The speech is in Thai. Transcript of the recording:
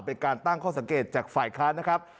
เป็นการตั้งข้อสังเกตจากฝ่ายค้านนะครับ